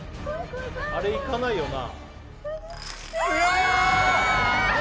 あれいかないよな？